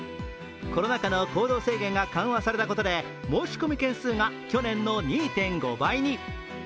コロナ禍の行動制限が緩和されたことで申込件数が去年の２．５倍に。